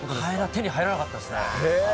手に入らなかったですね。